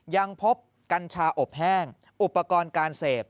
ยังพบกัญชาอบแห้งอุปกรณ์การเสพ